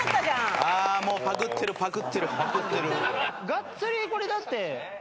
がっつりこれだって。